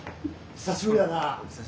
久しぶりだな。